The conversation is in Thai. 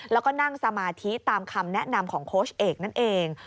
แล้วก็นั่งสมาธิตามคำแนะนำของโค้ชเอกนั่นเอง